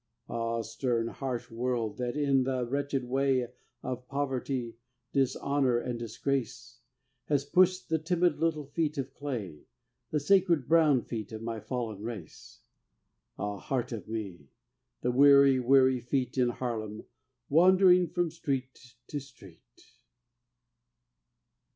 Ah, stern harsh world, that in the wretched way Of poverty, dishonor and disgrace, Has pushed the timid little feet of clay. The sacred brown feet of my fallen race! Ah, heart of me, the weary, weary feet In Harlem wandering from street to street.